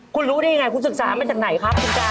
คุณรู้ได้ยังไงคุณศึกษามาจากไหนครับคุณจา